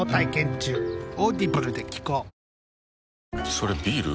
それビール？